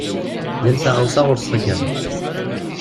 Yal taɣawsa ɣur-s taggara.